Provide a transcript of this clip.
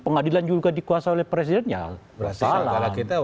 pengadilan juga dikuasai oleh presiden ya nggak salah